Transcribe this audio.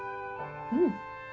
うん。